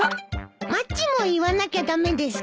マッチも言わなきゃ駄目ですか？